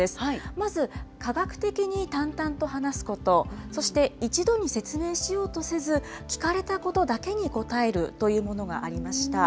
まず科学的に淡々と話すこと、そして、一度に説明しようとせず、聞かれたことだけに答えるというものがありました。